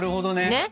ねっ！